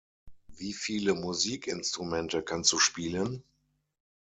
Wie viele Musikinstrumente kannst du spielen?